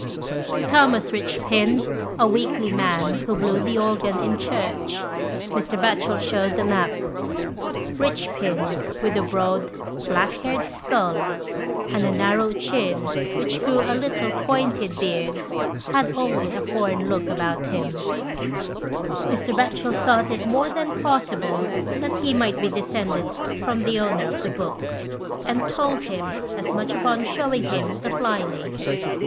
To Thomas Richpin, a weakly man who blew the organ in church, Mr. Batchel shewed the map. Richpin, with a broad, black haired skull and a narrow chin which grew a little pointed beard, had always a foreign look about him: Mr. Batchel thought it more than possible that he might be descended from the owner of the book, and told him as much upon shewing him the fly leaf.